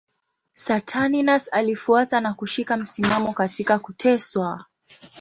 Saturninus alifuata na kushika msimamo katika kuteswa.